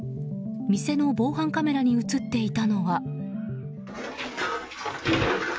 店の防犯カメラに映っていたのは。